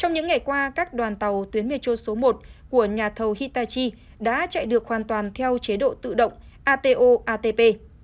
trong những ngày qua các đoàn tàu tuyến metro số một của nhà thầu hitachi đã chạy được hoàn toàn theo chế độ tự động ato atp